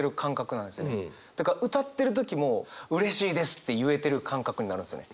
だから歌ってる時もうれしいですって言えてる感覚になるんですよね。